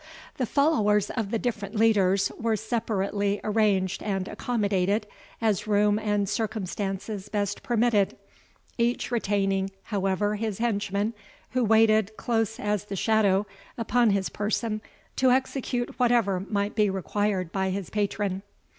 The followers of the different leaders were separately arranged and accommodated, as room and circumstances best permitted, each retaining however his henchman, who waited, close as the shadow, upon his person, to execute whatever might be required by his patron.